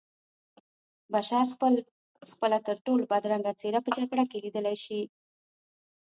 بشر خپله ترټولو بدرنګه څېره په جګړه کې لیدلی شي